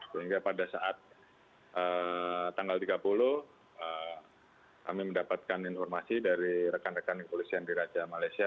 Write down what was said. sehingga pada saat tanggal tiga puluh kami mendapatkan informasi dari rekan rekan kepolisian di raja malaysia